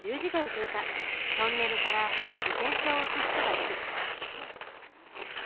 トンネルから自転車を押す人が出てきた。